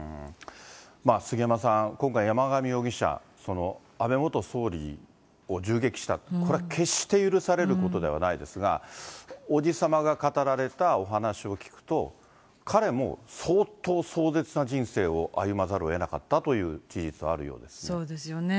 杉山さん、今回、山上容疑者、安倍元総理を銃撃した、これは決して許されることではないですが、伯父様が語られたお話を聞くと、彼も相当壮絶な人生を歩まざるをえなかったという事実があるようそうですよね。